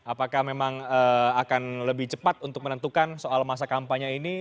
apakah memang akan lebih cepat untuk menentukan soal masa kampanye ini